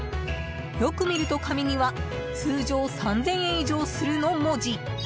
よく見ると紙には「通常３０００円以上する」の文字。